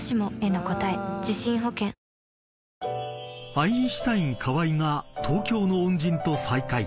［アインシュタイン河井が東京の恩人と再会］